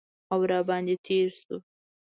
او را باندې تیر شو